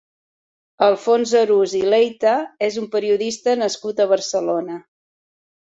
Alfons Arús i Leita és un periodista nascut a Barcelona.